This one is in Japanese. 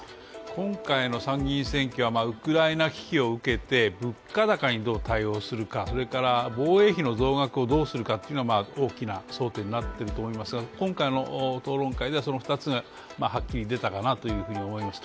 今回の参議院選挙は、ウクライナ問題を受けて物価高にどう対応するか、それから防衛費の増額をどうするかというのが大きな争点になっていると思いますが、今回の討論会ではその２つがはっきり出たかなと思います。